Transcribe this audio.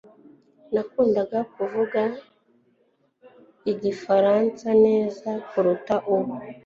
Nakundaga kuvuga Igifaransa neza kuruta ubu